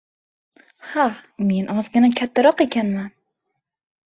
— Ha. Men ozgina kattaroq ekanman.